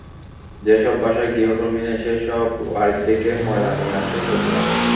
যেসব বাসায় গৃহকর্মী নেই, সেসব বাড়ি থেকে ময়লা নিয়ে আসে লোকমান।